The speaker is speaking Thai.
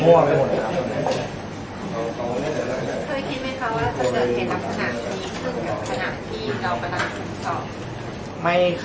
มั่วไม่ฉลาด